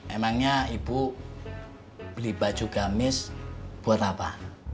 emangnya ibu beli baju gamis buat apa